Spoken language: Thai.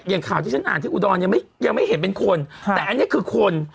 อย่างข่าวที่ฉันอ่านที่อุดรยังไม่ยังไม่เห็นเป็นคนแต่อันนี้คือคน